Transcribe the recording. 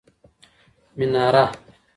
مناره